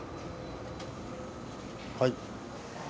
はい。